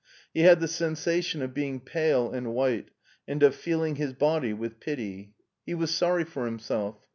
He had the sensation of being pale and white, and of feeling his body with pity. He was sorry for himself.